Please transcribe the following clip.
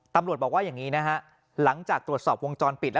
ตำรวจบอกว่าอย่างนี้นะฮะหลังจากตรวจสอบวงจรปิดแล้ว